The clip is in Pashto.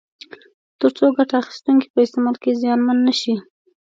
تر څو ګټه اخیستونکي په استعمال کې زیانمن نه شي.